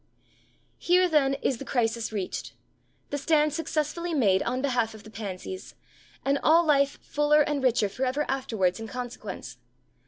Here, then, is the crisis reached; the stand successfully made on behalf of the pansies; and all life fuller and richer for ever afterwards in consequence.